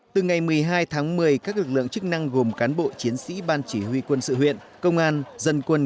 từ ngày một mươi hai tháng một mươi các lực lượng chức năng gồm cán bộ chiến sĩ ban chỉ huy quân sự huyện công an dân quân